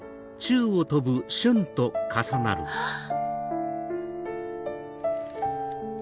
あっ！